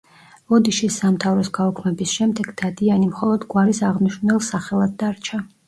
ოდიშის სამთავროს გაუქმების შემდეგ „დადიანი“ მხოლოდ გვარის აღმნიშვნელ სახელად დარჩა.